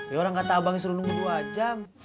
ya orang kata abangnya suruh nunggu dua jam